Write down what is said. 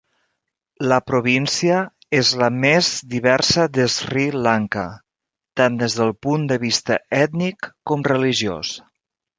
La província és la més diversa de Sri Lanka, tant des del punt de vista ètnic com religiós.